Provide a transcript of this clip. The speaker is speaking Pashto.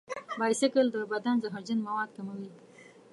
بایسکل د بدن زهرجن مواد کموي.